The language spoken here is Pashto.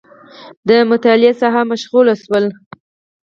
د مطالعې ساحه مشخصول